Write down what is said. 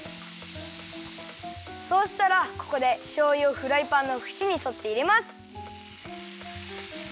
そうしたらここでしょうゆをフライパンのふちにそっていれます。